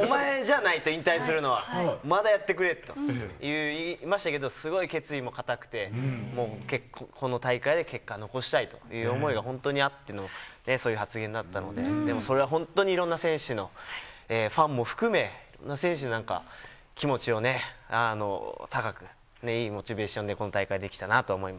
お前じゃないと、引退するのは、まだやってくれと言いましたけど、すごい決意も固くて、もう結構、この大会で結果残したいという思いが本当にあっての、そういう発言だったので、でも、それは本当にいろんな選手の、ファンも含め、選手なんか気持ちを高く、いいモチベーションで今大会、できたなと思います。